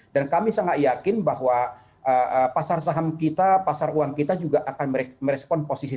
dan kami sangat yakin bahwa pasar saham kita pasar uang kita juga akan merespon posisi